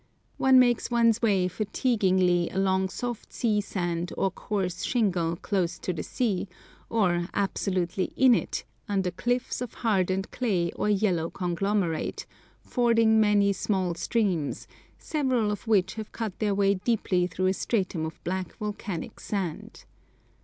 One makes one's way fatiguingly along soft sea sand or coarse shingle close to the sea, or absolutely in it, under cliffs of hardened clay or yellow conglomerate, fording many small streams, several of which have cut their way deeply through a stratum of black volcanic sand.